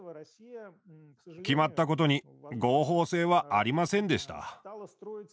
決まったことに合法性はありませんでした。